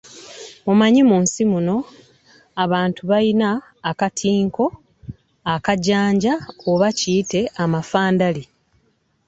Omanyi, mu nsi muno abantu balina akatinko, akajanja oba kiyite amafandali.